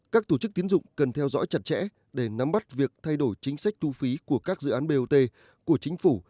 các tổ chức tiến dụng cần theo dõi chặt chẽ để nắm bắt việc thay đổi chính sách thu phí của các dự án bot của chính phủ